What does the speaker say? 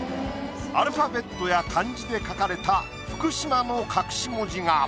アルファベットや漢字で書かれた「福島」の隠し文字が。